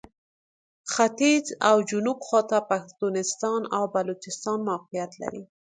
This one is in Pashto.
ختیځ او جنوب خواته پښتونستان او بلوچستان موقعیت لري.